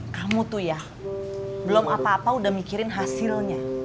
kamu tuh ya belum apa apa udah mikirin hasilnya